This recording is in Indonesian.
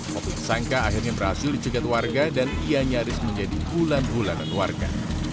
mobil tersangka akhirnya berhasil dicegat warga dan ia nyaris menjadi bulan bulanan warga